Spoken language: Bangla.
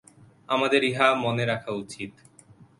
আমাদের ইহা মনে রাখা উচিত।